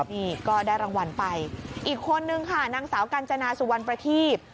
นี่ก็ได้รางวัลไปอีกคนนึงค่ะนางสาวกัญจนาสุวรรณประทีบ